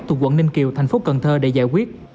thuộc quận ninh kiều thành phố cần thơ để giải quyết